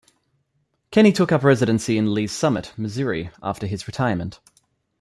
Kenney took up residency in Lee's Summit, Missouri after his retirement.